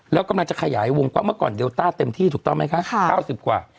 แล้วกำลังจะขยายวงกว้างเมื่อก่อนเดลต้าเต็มที่ถูกต้องไหมคะ๙๐กว่า